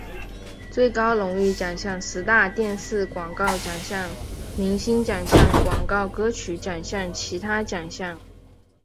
最高荣誉奖项十大电视广告演员奖项明星奖项广告歌曲奖项其他奖项